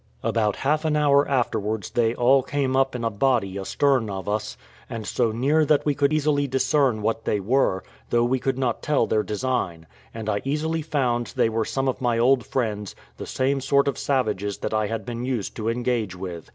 About half an hour afterwards they all came up in a body astern of us, and so near that we could easily discern what they were, though we could not tell their design; and I easily found they were some of my old friends, the same sort of savages that I had been used to engage with.